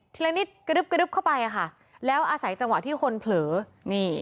ละนิดกระดึ๊บกระดึบเข้าไปอ่ะค่ะแล้วอาศัยจังหวะที่คนเผลอนี่